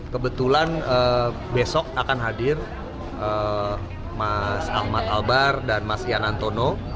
kebetulan besok akan hadir mas ahmad albar dan mas yanantono